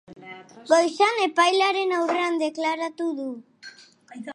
Goizean, epailearen aurrean deklaratu du.